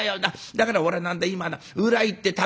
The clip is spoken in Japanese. だから俺は何だ今な裏行って竹」。